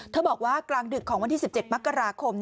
บอกว่ากลางดึกของวันที่๑๗มกราคม